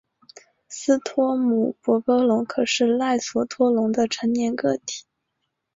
斯托姆博格龙可能是赖索托龙的成年个体。